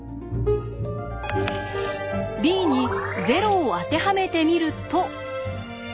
「ｂ」に「０」を当てはめてみると。